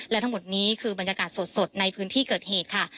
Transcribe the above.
และทั้งหมดนี้คือบรรยากาศสดในพื้นที่เกิดเหตุค่ะ